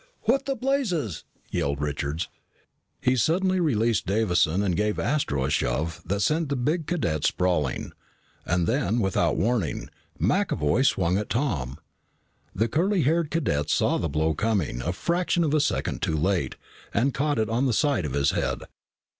"What in blazes !" yelled Richards. He suddenly released Davison and gave Astro a shove that sent the big cadet sprawling. And then, without warning, McAvoy swung at Tom. The curly haired cadet saw the blow coming a fraction of a second too late and caught it on the side of his head.